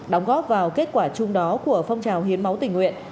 đóng góp vào kết quả chung đó của phong trào hiến máu tình nguyện